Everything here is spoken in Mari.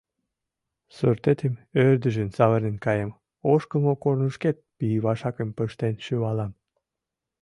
Суртетым ӧрдыжын савырнен каем, ошкылмо корнышкет пий вашакым пыштен шӱвалам!